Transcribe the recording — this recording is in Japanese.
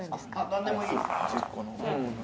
何でもいい。